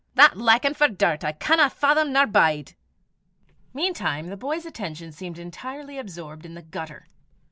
That likin' for dirt I canna fathom nor bide." Meantime the boy's attention seemed entirely absorbed in the gutter.